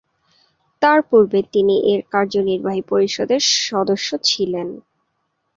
এর পূর্বে তিনি এর কার্যনির্বাহী পরিষদের সদস্য ছিলেন।